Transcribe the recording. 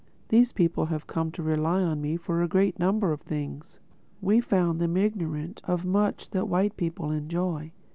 These people have come to rely on me for a great number of things. We found them ignorant of much that white people enjoy.